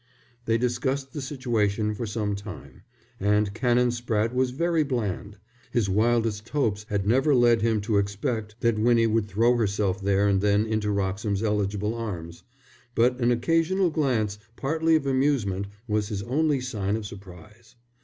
They discussed the situation for some time, and Canon Spratte was very bland. His wildest hopes had never led him to expect that Winnie would throw herself there and then into Wroxham's eligible arms; but an occasional glance, partly of amusement, was his only sign of surprise.